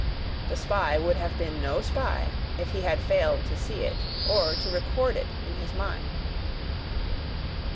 The spy would have been no spy if he had failed to see it, or to record it in his mind.